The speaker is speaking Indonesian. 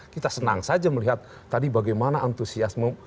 kita senang saja melihat tadi bagaimana antusiasme